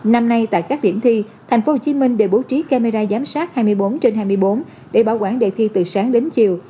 năm nay tại các điểm thi tp hcm đều bố trí camera giám sát hai mươi bốn trên hai mươi bốn để bảo quản đề thi từ sáng đến chiều